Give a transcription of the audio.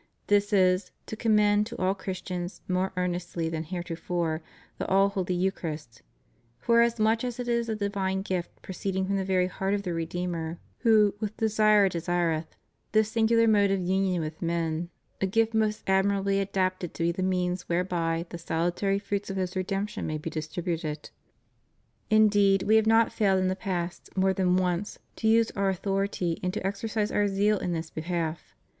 This is, to commend to all Christians, more earnestly than heretofore, the all holy Eucharist, forasmuch as it is a divine gift proceeding from the very Heart of the Redeemer, who "with desire desireth" this singular mode of union with men, a gift most admirably adapted to be the means whereby the salutary fruits of His redemption may be distributed. Indeed We have not failed in the past, more than once, to use Our authority and to exercise Our zeal in this behalf.